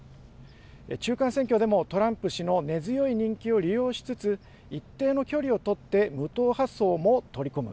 中間選挙でもトランプ氏の根強い人気を利用しつつ、一定の距離を取って無党派層も取り込む。